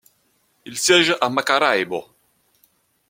Il siège à Maracaibo.